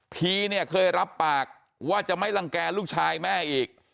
เนี่ยเคยรับปากว่าจะไม่ลังแก่ลูกชายแม่อีก